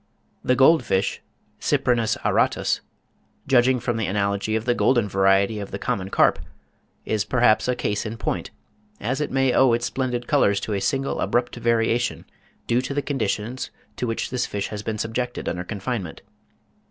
The gold fish (Cyprinus auratus), judging from the analogy of the golden variety of the common carp, is perhaps a case in point, as it may owe its splendid colours to a single abrupt variation, due to the conditions to which this fish has been subjected under confinement.